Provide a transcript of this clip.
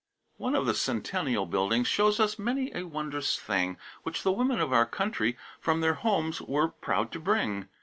I. "One of the Centennial buildings Shows us many a wondrous thing Which the women of our country From their homes were proud to bring.